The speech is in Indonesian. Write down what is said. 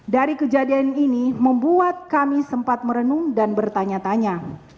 dari kejadian ini membuat kami sempat merenung dan bertanya tanya